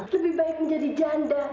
lebih baik menjadi janda